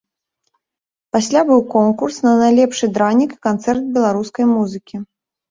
Пасля быў конкурс на найлепшы дранік і канцэрт беларускай музыкі.